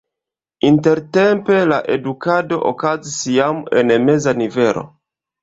Intertempe la edukado okazis jam en meza nivelo.